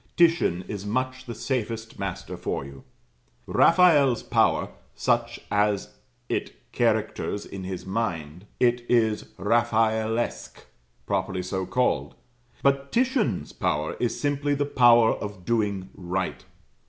Titian is much the safest master for you. Raphael's power, such as it characters in his mind; it is "Raphaelesque," properly so called; but Titian's power is simply the power of doing right.